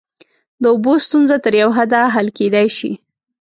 د اوبو ستونزه تر یوه حده حل کیدای شي.